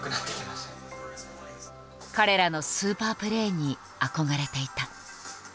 彼らのスーパープレーに憧れていた。